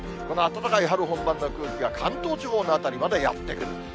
この暖かい春本番の空気は関東地方の辺りまでやって来る。